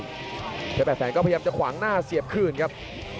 เพชร๘แสนก็พยายามจะขวางหน้าเสียบคืนครับ